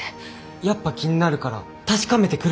「やっぱ気になるから確かめてくる」って。